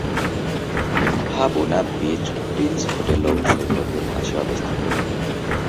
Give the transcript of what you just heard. হাপুনা Beach Prince হোটেলও সৈকতের পাশে অবস্থিত।